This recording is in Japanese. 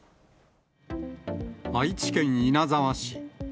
愛知県稲沢市。